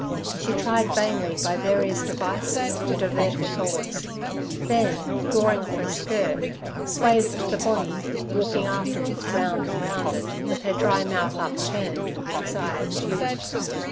She tried vainly, by various devices, to divert her thoughts; then, drawing off her skirt, swathed the body, walking afterwards round and round it, with her dry mouth upturned for the desired dew.